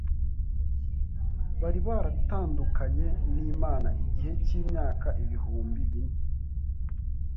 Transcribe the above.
Bari baratandukanye n’Imana igihe cy’imyaka ibihumbi bine